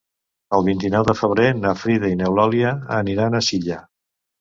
El vint-i-nou de febrer na Frida i n'Eulàlia aniran a Silla.